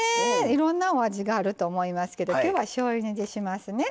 いろんなお味があると思いますけど今日はしょうゆ煮にしますね。